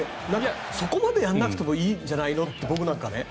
そこまでやらなくてもいいんじゃないのって僕なんかはね。